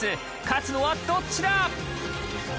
勝つのはどっちだ！？